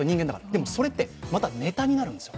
でもそれってまたネタになるんですよ。